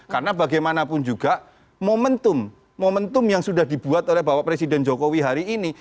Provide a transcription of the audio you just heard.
karena bagaimanapun juga momentum momentum yang sudah dibuat oleh bapak presiden jokowi hari ini